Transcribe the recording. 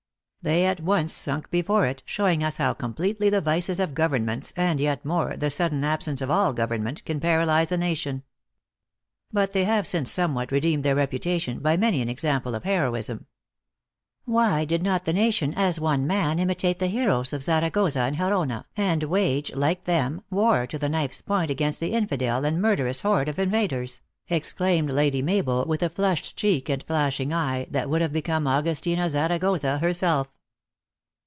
They at once sunk before it, showing us how completely the vices of governments, and yet more, the sudden absence of all government, can paralyze a nation. But they have since somewhat redeemed their reputa tion, by many an example of heroism." " "Why did not the nation, as one man, imitate the heroes of Zaragoza and Gerona, and wage, like them, war to the knife s point against the infidel and mur 278 THE ACTRESS IN HIGH LIFE. derous horde of invaders ?" exclaimed Lady Mabel, with a flushed cheek and flashing eye, that would have become Augustina Zaragoza herself.